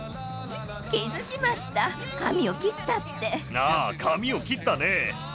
気付きました、髪を切ったっああ、髪を切ったね。